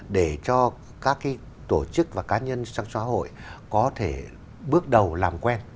để cho các tổ chức và cá nhân trong xã hội có thể bước đầu làm quen